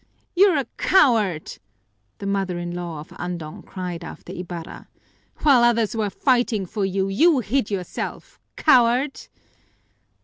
"You're a coward!" the mother in law of Andong cried after Ibarra. "While others were fighting for you, you hid yourself, coward!"